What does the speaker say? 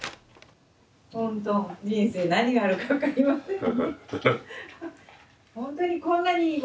ほんと人生何があるか分かりませんね。